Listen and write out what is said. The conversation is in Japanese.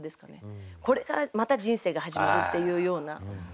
これからまた人生が始まるっていうような。